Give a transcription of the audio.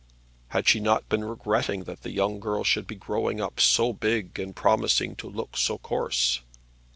Had she not been regretting that the young girl should be growing up so big, and promising to look so coarse?